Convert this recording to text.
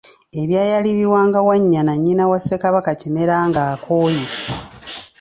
Ebyayalirirwanga Wannyana nnyina wa Ssekabaka Kimera ng'akooye.